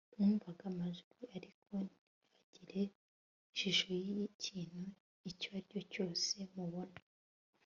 mwumvaga amajwi ariko ntihagire ishusho y'ikintu icyo ari cyo cyose mubona